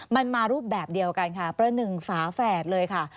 มันมารูปแบบเดียวกันค่ะประหนึ่งฝาแฝดเลยค่ะ